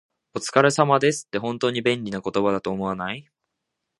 「お疲れ様です」って、本当に便利な言葉だと思わない？